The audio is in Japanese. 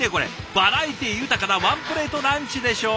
バラエティー豊かなワンプレートランチでしょう？